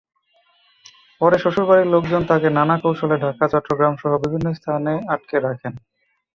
পরে শ্বশুরবাড়ির লোকজন তাঁকে নানা কৌশলে ঢাকা, চট্টগ্রামসহ বিভিন্ন স্থানে আটকে রাখেন।